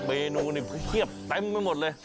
เบนูเทียบเต็มไปหมดเลย